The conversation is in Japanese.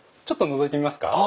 ちょっとのぞいてみますか？